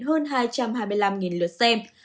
hơn hai trăm hai mươi năm lượt xem